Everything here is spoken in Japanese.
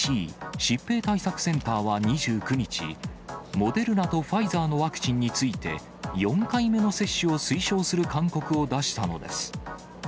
ＣＤＣ・疾病対策センターは２９日、モデルナとファイザーのワクチンについて、４回目の接種を推奨する勧告を出したのです。